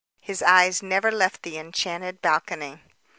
His eyes never left the enchanted balcony.